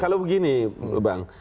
kalau begini bang